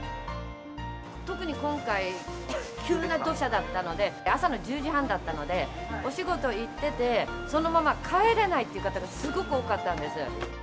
特に今回、急な土砂だったので、朝の１０時半だったので、お仕事行ってて、そのまま帰れないっていう方がすごく多かったんです。